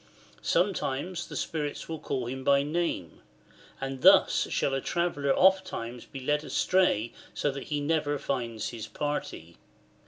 Sometimes the spirits will call him by name ; and thus shall a traveller ofttimes be led astray so that he never finds his party.